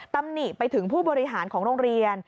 ตำหนิไปถึงผู้บริหารของโรงเรียน